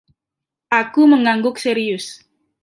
Aku mengangguk serius.